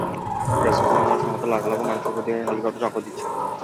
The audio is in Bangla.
রেসকোর্স ময়দানে সমবেত লাখ লাখ মানুষের ওপর দিয়ে হেলিকপ্টার চক্কর দিচ্ছে।